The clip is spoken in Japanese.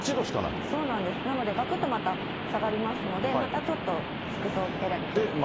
そうなんです、なので、がくっとまた下がりますので、またちょっと、服装選び気をつけてください。